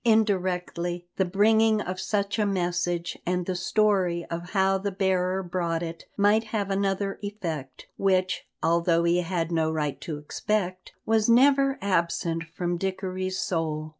Indirectly, the bringing of such a message, and the story of how the bearer brought it, might have another effect, which, although he had no right to expect, was never absent from Dickory's soul.